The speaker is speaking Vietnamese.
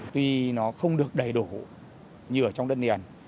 vì nó không được đầy đủ như ở trong đất niền